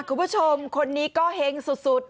คุณผู้ชมคนนี้ก็เฮงสุด